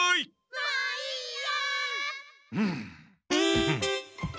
・もういいよ！